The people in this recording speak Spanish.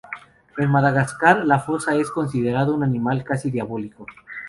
En Madagascar, el fosa es considerado un animal casi diabólico.